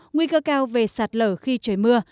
nguy cơ cao về sạt lở khi trời mưa